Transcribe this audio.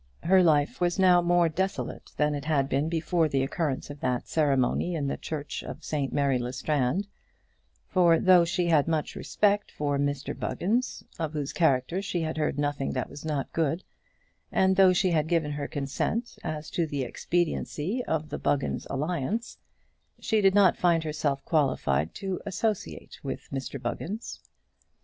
Her life was now more desolate than it had been before the occurrence of that ceremony in the church of St Mary le Strand; for, though she had much respect for Mr Buggins, of whose character she had heard nothing that was not good, and though she had given her consent as to the expediency of the Buggins' alliance, she did not find herself qualified to associate with Mr Buggins.